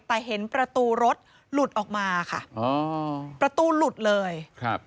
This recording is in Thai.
แต่เห็นประตูรถหลุดออกมาค่ะอ๋อประตูหลุดเลยครับ